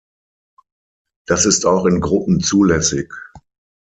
Das ist auch in Gruppen zulässig.